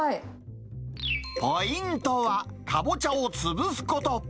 ポイントは、カボチャを潰すこと。